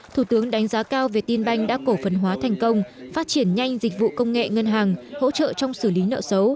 thủ tướng đánh giá cao việt tin banh đã cổ phần hóa thành công phát triển nhanh dịch vụ công nghệ ngân hàng hỗ trợ trong xử lý nợ xấu